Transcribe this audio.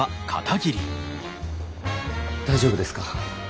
大丈夫ですか？